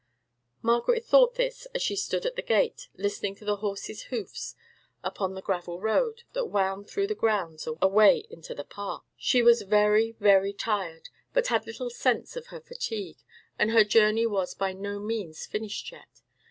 Margaret thought this as she stood at the gate, listening to the horse's hoofs upon the gravel road that wound through the grounds away into the park. She was very, very tired, but had little sense of her fatigue, and her journey was by no means finished yet.